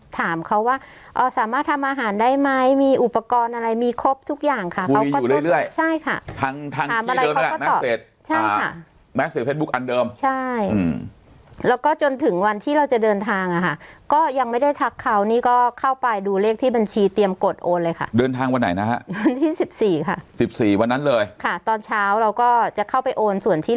ถามเขาว่าสามารถทำอาหารได้ไหมมีอุปกรณ์อะไรมีครบทุกอย่างค่ะเขาก็อยู่เรื่อยใช่ค่ะทางทางถามอะไรเขาก็ตอบเสร็จใช่ค่ะแม้สื่อเฟซบุ๊คอันเดิมใช่อืมแล้วก็จนถึงวันที่เราจะเดินทางอ่ะค่ะก็ยังไม่ได้ทักเขานี่ก็เข้าไปดูเลขที่บัญชีเตรียมกดโอนเลยค่ะเดินทางวันไหนนะฮะวันที่สิบสี่ค่ะสิบสี่วันนั้นเลยค่ะตอนเช้าเราก็จะเข้าไปโอนส่วนที่